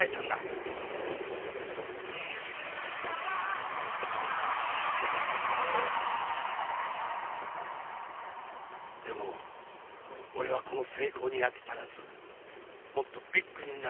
でも俺はこの成功に飽き足らずもっとビッグになりたいと思っていた。